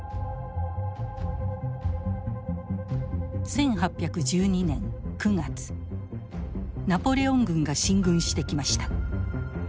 １８１２年９月ナポレオン軍が進軍してきました。